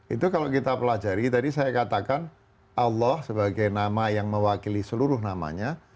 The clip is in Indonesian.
itu kalau kita pelajari tadi saya katakan allah sebagai nama yang mewakili seluruh namanya